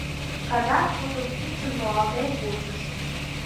— Кадат тудын кидшым руалтен кучыш.